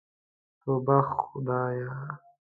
توبه خدايه.